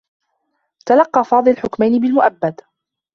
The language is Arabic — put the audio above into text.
تلقّى فاضل حكمين بالمؤبّد.